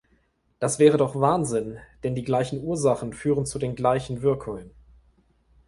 Das wäre doch Wahnsinn, denn die gleichen Ursachen führen zu den gleichen Wirkungen!